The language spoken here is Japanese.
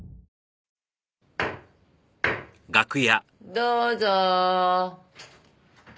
どうぞ。